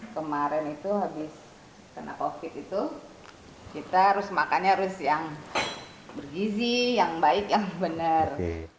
kemarin itu habis kena covid itu kita harus makannya harus yang bergizi yang baik yang benar